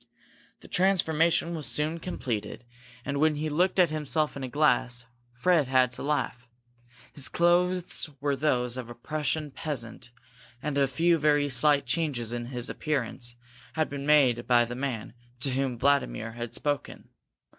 The transformation was soon completed, and when he looked at himself in a glass Fred had to laugh. His clothes were those of a Prussian peasant, and a few very slight changes in his appearance had been made by the man to whom Vladimir had spoken.